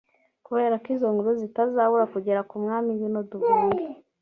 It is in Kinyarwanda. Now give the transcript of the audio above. kubera ko izo nkuru zitazabura kugera ku mwami ngwino duhunge